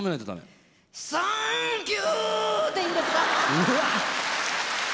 うわっ。